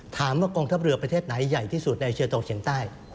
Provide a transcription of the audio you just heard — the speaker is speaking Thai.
ถามว่ากองทับเรือประเทศไหนใหญ่ที่สุดในไอเชียตกเฉียงใต้